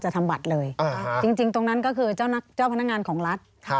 ครับจริงตรงนั้นก็คือเจ้าผู้แรงงานของรัฐ